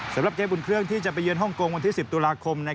สำหรับเกมอุ่นเครื่องที่จะไปเยือฮ่องกงวันที่๑๐ตุลาคม